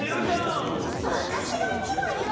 わたしがいちばんよ！